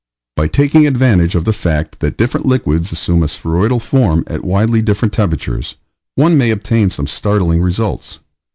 By taking advantage of the fact that different liquids assume a spheroidal form at widely different temperatures, one may obtain some startling results.